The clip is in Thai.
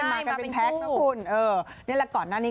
มากันเป็นแพ็คนะคุณเออนี่แหละก่อนหน้านี้